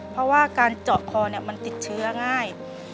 เพราะว่าการเจาะคอมันติดเชื้อง่าย